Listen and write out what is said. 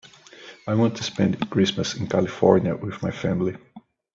I want to spend Christmas in California with my family.